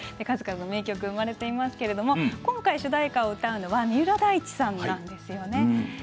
数々の名曲生まれていますけれども今回、主題歌を歌うのは三浦大知さんなんですよね。